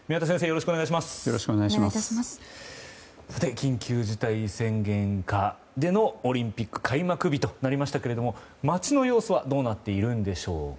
緊急事態宣言下でのオリンピック開幕日となりましたが街の様子はどうなっているんでしょうか。